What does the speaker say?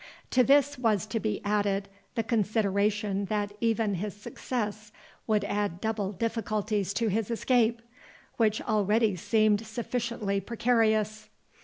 To this was to be added, the consideration that even his success would add double difficulties to his escape, which already seemed sufficiently precarious.